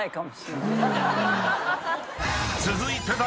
［続いて］